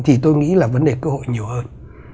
thì tôi nghĩ là vấn đề cơ hội nhiều hơn